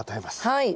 はい。